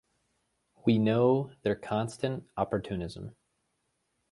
We know their constant opportunism.